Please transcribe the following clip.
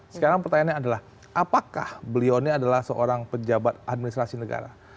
sekarang pertanyaannya adalah apakah beliau ini adalah seorang pejabat administrasi negara